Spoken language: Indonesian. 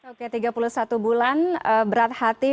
oke tiga puluh satu bulan berat hati